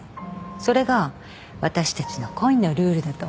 それが私たちの恋のルールだと思わない？